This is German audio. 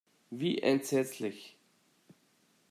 Wie entsetzlich!